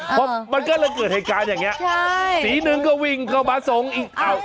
พอมันก็เลยเกิดเหตุการณ์อย่างนี้สีหนึ่งก็วิ่งเข้ามาส่งอีก